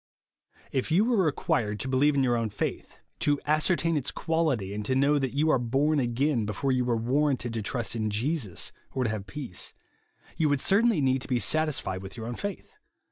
If you were required to believe in your o^vn faith, to ascertain its quality, and to know that you are born again, before you were warranted to trust in Jesus, or to have peace, you would certainly need to be satis fied with your own faith.